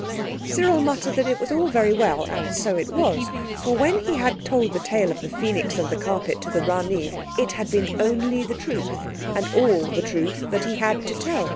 Cyril muttered that it was all very well, and so it was. For when he had told the tale of the Phœnix and the Carpet to the Ranee, it had been only the truth—and all the truth that he had to tell.